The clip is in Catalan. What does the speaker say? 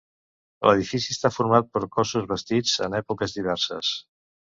L'edifici està format per cossos bastits en èpoques diverses.